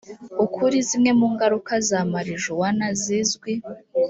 ukuri zimwe mu ngaruka za marijuwana zizwi